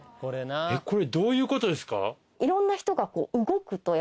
えっこれどういうことですか？